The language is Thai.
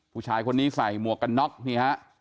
ผู้ชายคนนี้ใส่หมวกกันน็อกนี่ฮะ